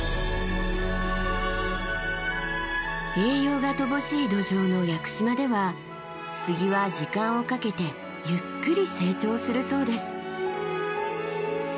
栄養が乏しい土壌の屋久島では杉は時間をかけてゆっくり成長するそうです。